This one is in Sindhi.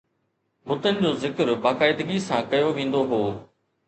بتن جو ذڪر باقاعدگي سان ڪيو ويندو هو